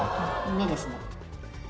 目ですね